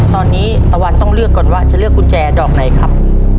ตอนนี้ตะวันต้องเลือกก่อนว่าจะเลือกกุญแจดอกไหนครับ